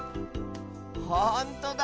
ほんとだ。